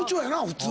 普通。